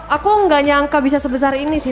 aku nggak nyangka bisa sebesar ini sih